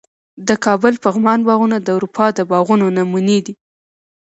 د کابل پغمان باغونه د اروپا د باغونو نمونې دي